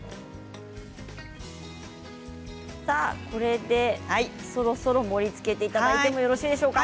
これでそろそろ盛りつけていただいてもよろしいですか。